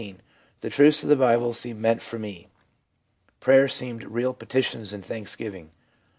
The truths of the Bible seemed meant for me. Prayers seemed real petitions and thanksgiving.'